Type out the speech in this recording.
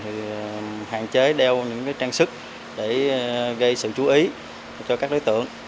thì hạn chế đeo những trang sức để gây sự chú ý cho các đối tượng